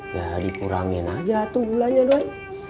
nggak dikurangin aja tuh gulanya doi